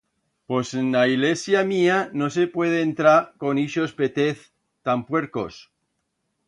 Pos en a ilesia mía no se puede entrar con ixos petez tan puercos.